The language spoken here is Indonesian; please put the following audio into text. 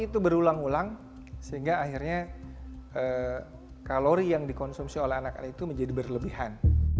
dan itu berulang ulang sehingga akhirnya kalori yang dikonsumsi oleh anak anak itu menjadi berlebihan